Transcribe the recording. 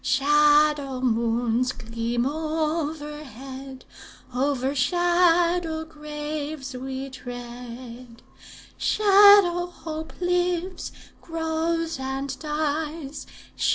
Shadow moons gleam overhead; Over shadow graves we tread. Shadow hope lives, grows, and dies.